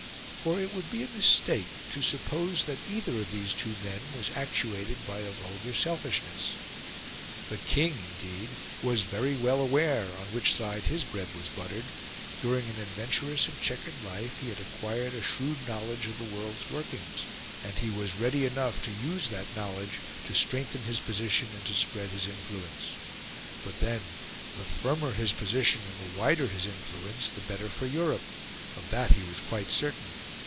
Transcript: For it would be a mistake to suppose that either of these two men was actuated by a vulgar selfishness. The King, indeed, was very well aware on which side his bread was buttered; during an adventurous and chequered life he had acquired a shrewd knowledge of the world's workings; and he was ready enough to use that knowledge to strengthen his position and to spread his influence. But then, the firmer his position and the wider his influence, the better for Europe; of that he was quite certain.